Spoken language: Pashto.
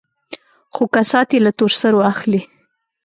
خو کسات يې له تور سرو اخلي.